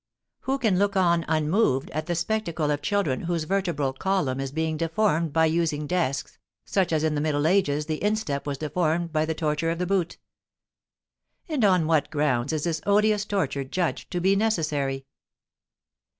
Who can look on unmoved at the spectacle of children whose vertebral column is being deformed by using desks, just as in the Middle Ages the instep was deformed by the torture of the boot. And on what grounds is this odious torture judged to be necessary?